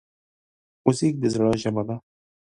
موزیک د زړه ژبه ده.